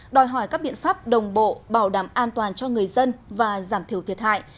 đòi hỏi các biện pháp đồng bộ bảo đảm an toàn cho người dân và giảm thiểu thiệt hại